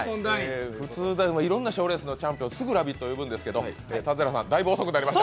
いろんな賞レースのチャンピオン、すぐ「ラヴィット！」呼ぶんですけど田鶴原さん、だいぶ遅くなりました。